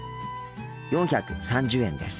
４３０円です。